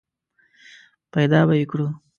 پیدا به یې کړو !